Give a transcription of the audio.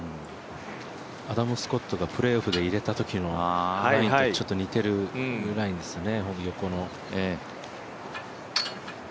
アダム・スコットがプレーオフで入れたときと似ているラインですよね。